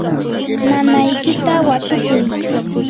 nanaykita watukuy.